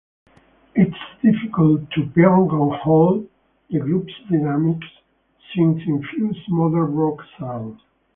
It is difficult to pigeonhole the group's dynamic, synth-infused modern rock sound.